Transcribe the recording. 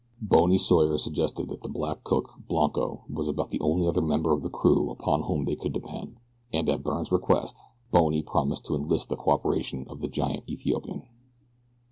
"Bony" Sawyer suggested that the black cook, Blanco, was about the only other member of the crew upon whom they could depend, and at Byrne's request "Bony" promised to enlist the cooperation of the giant Ethiopian.